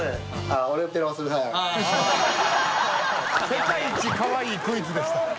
世界一かわいいクイズでした。